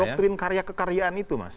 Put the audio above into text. sebagai program doktrin karya kekaryaan itu mas